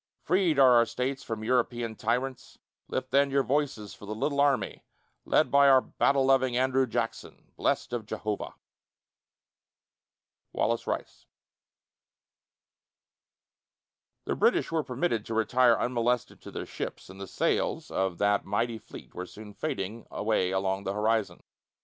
Freed are our States from European tyrants: Lift then your voices for the little army Led by our battle loving Andrew Jackson, Blest of Jehovah. WALLACE RICE. The British were permitted to retire unmolested to their ships, and the sails of that mighty fleet were soon fading away along the horizon.